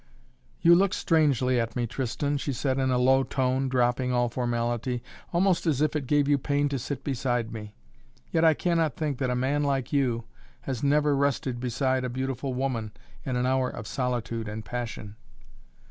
"You look strangely at me, Tristan," she said in a low tone, dropping all formality, "almost as if it gave you pain to sit beside me. Yet I cannot think that a man like you has never rested beside a beautiful woman in an hour of solitude and passion."